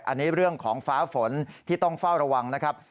อันนี้เรื่องของฟ้าฝนที่ต้องเฝ้าระวังนะครับ